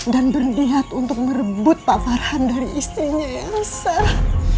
dan berdiat untuk merebut pak farhan dari istrinya ya sah